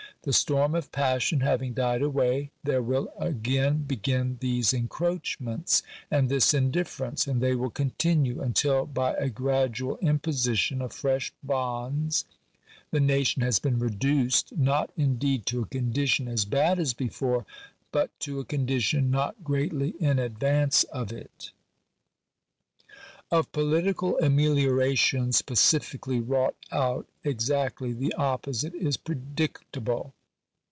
The storm of passion having died away, there will again begin these encroachments and this indifference; and they will continue until, by a gradual imposition of fresh bonds, the nation has been reduced, not, indeed, to a condition as bad as before, but to a condition not greatly in advance of it. Of political ameliorations pacifically wrought out, exactly the opposite is predicable.